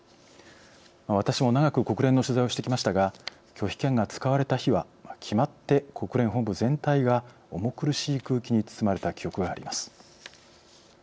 私も長く国連の取材をしてきましたが拒否権が使われた日は決まって国連本部全体が重苦しい空気に包まれた記憶があります。